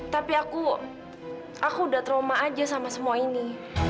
tapi aku aku udah trauma aja sama semua ini